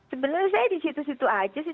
sebenarnya saya di situ situ aja sih